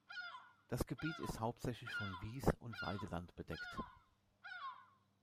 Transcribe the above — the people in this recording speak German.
Das Gebiet ist hauptsächlich von Wies- und Weideland bedeckt.